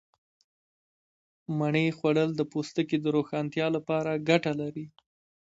مڼې خوړل د پوستکي د روښانتیا لپاره گټه لري.